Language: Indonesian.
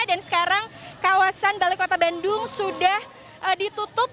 dan sekarang kawasan balai kota bandung sudah ditutup